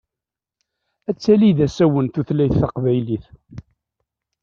Ad tali d asawen tutlayt taqbaylit.